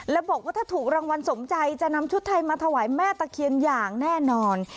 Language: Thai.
แล้วบอกว่าถ้าถูกรางวัลสมใจจะนำชุดไทยมาถวายแม่ตะเคียนอย่างแน่นอน